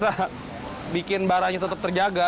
tapi kita bikin baranya tetap terjaga